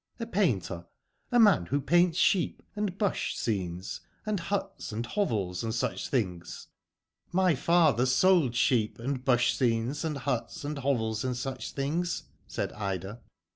"A painter. A man who paints sheep, and bush scenes, and huts, and hovels, and such things." My father sold sheep, and bush scenes, and huts, and hovels, and such things," said Ida.